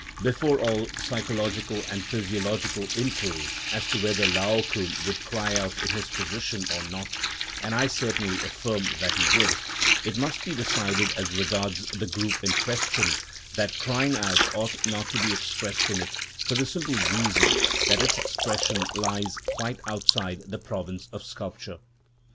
Before all psychological and physiological inquiries as to whether Laocoon would cry out in his position or not (and I certainly affirm that he would), it must be decided as regards the group in question, that crying out ought not to be expressed in it, for the simple reason that its expression lies quite outside the province of sculpture.